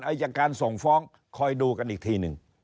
อายการส่งฟ้องคอยดูกันอีกทีหนึ่ง